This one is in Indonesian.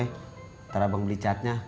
ntar abang beli catnya